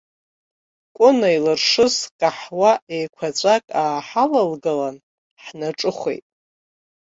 Кәына илыршыз каҳуа еиқәаҵәак ааҳалалгалан, ҳнаҿыхәеит.